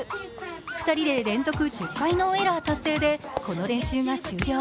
２人で連続１０回ノーエラー達成でこの練習が終了。